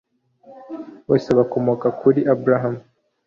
bose bakomoka kuri abrahamu